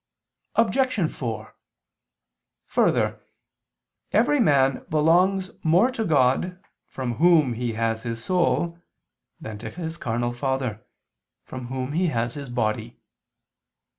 Obj. 4: Further, every man belongs more to God, from Whom he has his soul, than to his carnal father, from whom he has his body.